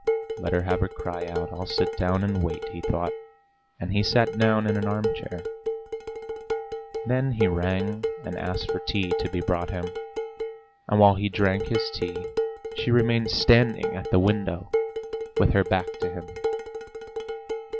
"Let her have her cry out. I'll sit down and wait," he thought, and he sat down in an arm chair. Then he rang and asked for tea to be brought him, and while he drank his tea she remained standing at the window with her back to him.